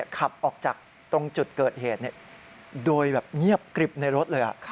ขับออกจากตรงจุดเกิดเหตุโดยแบบเงียบกริบในรถเลย